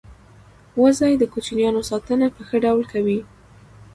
وزې د کوچنیانو ساتنه په ښه ډول کوي